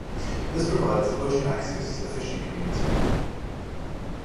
This provides ocean access to the fishing community.